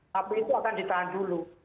tapi itu akan ditahan dulu